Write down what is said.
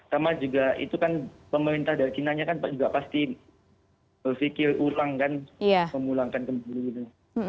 sama juga itu kan pemerintah dari chinanya kan juga pasti berpikir ulang kan memulangkan kembali gitu